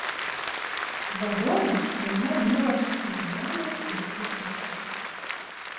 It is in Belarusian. Вядома, што яна мела чатыры брамы з усіх бакоў.